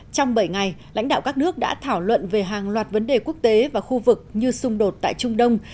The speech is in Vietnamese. trong bảy ngày lãnh đạo các nước đã thảo luận về hàng loạt vấn đề quốc tế và khu vực như xung đột tại trung đông